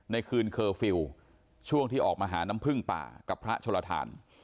ในคืนเคอร์ฟิลล์ช่วงที่ออกมาหาน้ำพึ่งป่ากับพระชลทาน